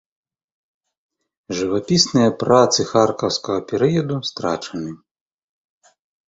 Жывапісныя працы харкаўскага перыяду страчаны.